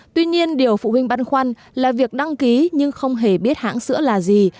tuy nhiên điều phụ huynh băn khoăn là việc đăng ký nhưng không hề biết hãng sữa là gì